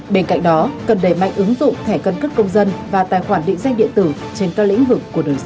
bên cạnh đó cần đẩy mạnh ứng dụng thẻ cân cất công dân và tài khoản định danh điện tử trên các lĩnh vực của đời sống xã hội